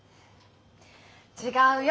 違うよ